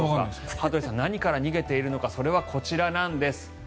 羽鳥さん、何から逃げているのかそれはこちらなんです。